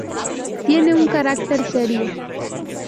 Tiene un carácter serio.